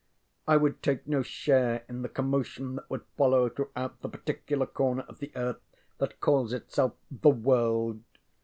I would take no share in the commotion that would follow throughout the particular corner of the earth that calls itself ŌĆ£the world.